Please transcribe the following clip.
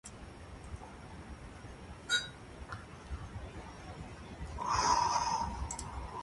The second one was sold to Howard Leese from the band Heart.